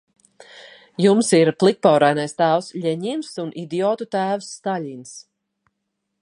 Jums ir plikpaurainais tēvs Ļeņins un idiotu tēvs Staļins.